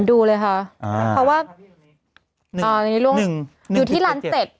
ดูเลยค่ะเพราะว่าอ่าอยู่ที่ล้านเจ็ด